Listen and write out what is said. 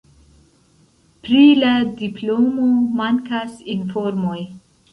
Pri la diplomo mankas informoj.